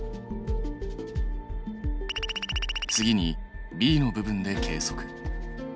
次にＢの部分で計測。